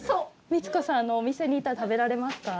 ミツ子さんのお店に行ったら食べられますか？